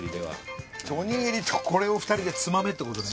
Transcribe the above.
おにぎりとこれを２人でつまめって事だね？